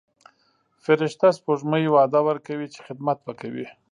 فرشته سپوږمۍ وعده ورکوي چې خدمت به کوي.